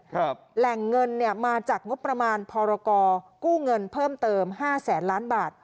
แหล่งเงินเนี่ยมาจากงบประมาณพรกู้เงินเพิ่มเติมห้าแสนล้านบาท